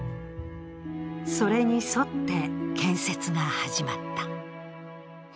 それに沿って建設が始まった。